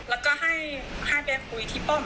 แล้วก็ให้ไปคุยที่ป้อม